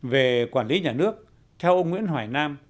về quản lý nhà nước theo ông nguyễn hoài nam